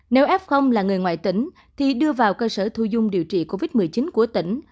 nếu f là người ngoại tỉnh thì đưa vào cơ sở thu dung điều trị covid một mươi chín của tỉnh